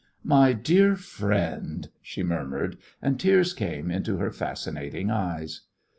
"My dear friend," she murmured, and tears came into her fascinating eyes.